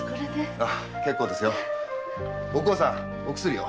結構ですよ。お甲さんお薬を。